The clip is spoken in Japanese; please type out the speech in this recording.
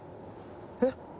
えっ？